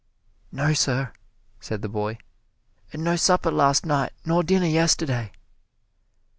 "No, sir," said the boy; "and no supper last night nor dinner yesterday!"